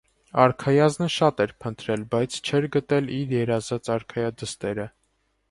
Արքայազնը շատ էր փնտրել, բայց չէր գտել իր երազած արքայադստերը։